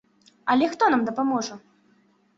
Але хто нам дапаможа?